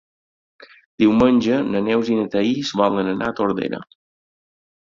Diumenge na Neus i na Thaís volen anar a Tordera.